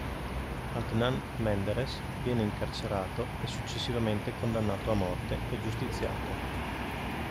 Adnan Menderes viene incarcerato e successivamente condannato a morte e giustiziato.